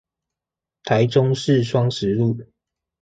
台中市雙十路